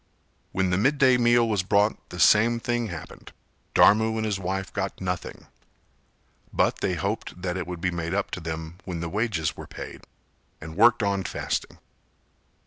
When the midday meal was brought the same thing happened, Dharmu and his wife got nothing; but they hoped that it would be made up to them when the wages were paid, and worked on fasting.